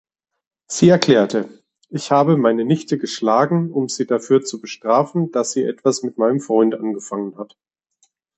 Sie erklärte: Ich habe meine Nichte geschlagen, um sie dafür zu bestrafen, dass sie etwas mit meinem Freund angefangen hat.